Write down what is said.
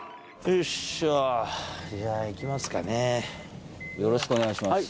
よろしくお願いします。